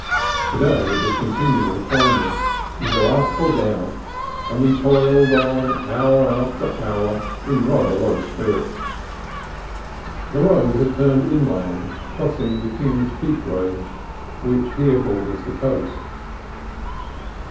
To day it was continual climbing, either up or down, and we toiled on hour after hour in rather low spirits. The road had turned inland, crossing the King's Peak Range, which here borders the coast.